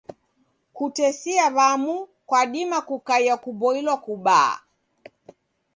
Kutesia w'amu kwadima kukaie kuboilwa kubaa.